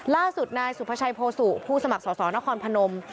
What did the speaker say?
ล่าสุดนายสุภาชัยโพสุผู้สมัครสอสอนครพนม